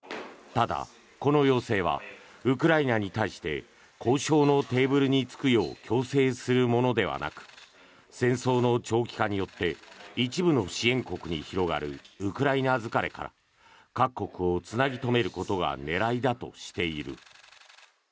ただ、この要請はウクライナに対して交渉のテーブルに着くよう強制するものではなく戦争の長期化によって一部の支援国に広がるウクライナ疲れから各国をつなぎ留めることが狙いだとしている。